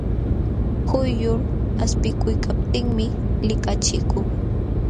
Quyllur aspikuykaptinmi likachikun.